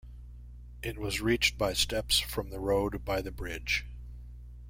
It was reached by steps from the road by the bridge.